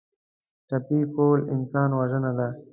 ټپي کول انسان وژنه ده.